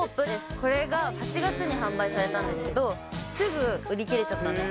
これが８月に販売されたんですけど、すぐ売り切れちゃったんです。